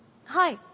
はい。